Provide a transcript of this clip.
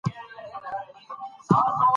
ډيپلوماسي د جګړي پر ځای د تفاهم لار ده.